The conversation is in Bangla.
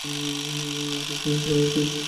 এটি চেন্নাই শহরের একটি বিশিষ্ট নিদর্শন।